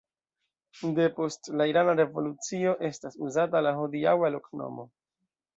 Depost la irana revolucio estas uzata la hodiaŭa loknomo.